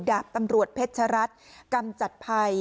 ดาบตำรวจเพชรรัฐกรรมจัดภัย